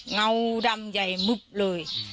งาวดำใหญ่หมึกเลย